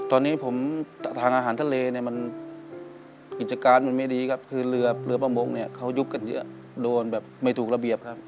ตอนนี้ผมทางอาหารทะเลเนี่ยมันกิจการมันไม่ดีครับคือเรือเรือประมงเนี่ยเขายุบกันเยอะโดนแบบไม่ถูกระเบียบครับ